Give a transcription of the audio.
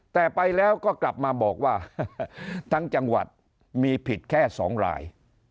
แต่ไปแล้วก็กลับมาบอกว่าทั้งจังหวัดมีผิดแค่๒ราย